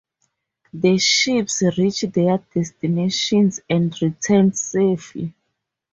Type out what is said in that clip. The ships reached their destinations and returned safely.